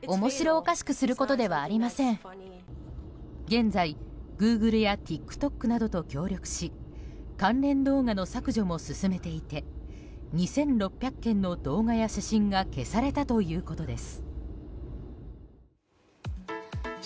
現在、グーグルやＴｉｋＴｏｋなどと協力し関連動画の削除も進めていて２６００件の動画や写真が消されたということです。